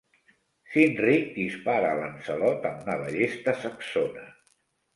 Cynric dispara a Lancelot amb una ballesta saxona.